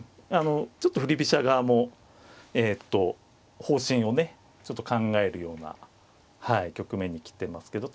ちょっと振り飛車側も方針をねちょっと考えるような局面に来てますけど。